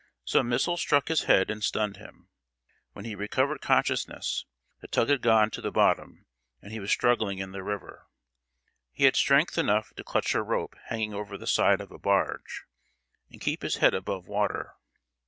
Some missile struck his head and stunned him. When he recovered consciousness, the tug had gone to the bottom, and he was struggling in the river. He had strength enough to clutch a rope hanging over the side of a barge, and keep his head above water.